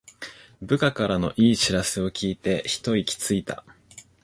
部下からの良い知らせを聞いてひと息ついた